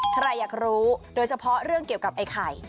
ใครอยากรู้โดยเฉพาะเรื่องเกี่ยวกับไอ้ไข่